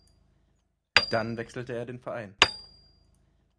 Dann wechselte er den Verein.